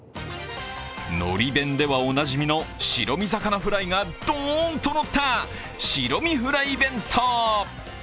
のり弁ではおなじみの白身魚フライがどーんとのった白身フライ弁当。